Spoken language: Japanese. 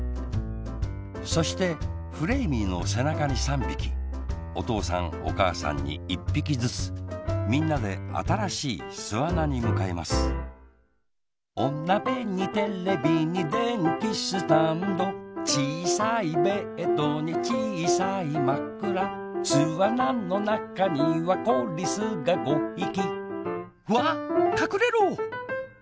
そしてフレーミーのせなかに３びきおとうさんおかあさんに１ぴきずつみんなであたらしいすあなにむかいますおなべにテレビにでんきスタンドちいさいベッドにちいさいまくらすあなのなかにはこリスが５ひきわっかくれろ！